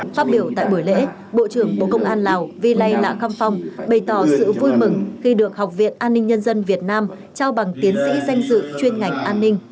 phát biểu tại buổi lễ bộ trưởng bộ công an lào vi lây lạ khăm phong bày tỏ sự vui mừng khi được học viện an ninh nhân dân việt nam trao bằng tiến sĩ danh dự chuyên ngành an ninh